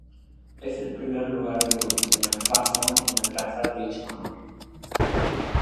Es el primer lugar de Burkina Faso en alcanzar dicho honor.